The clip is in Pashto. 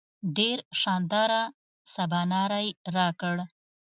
ډېر شانداره سباناری راکړ.